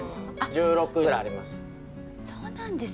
１６ぐらいあります。